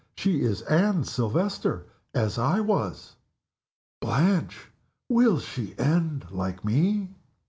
She is Anne Silvester as I was. Blanche! _Will she end like Me?